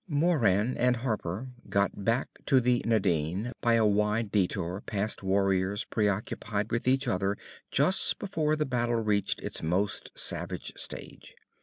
Moran and Harper got back to the Nadine by a wide detour past warriors preoccupied with each other just before the battle reached its most savage stage.